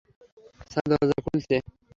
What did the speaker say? Sir, দরজা খুলছে।